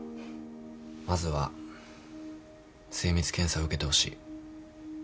まずは精密検査受けてほしい。